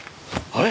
あれ！？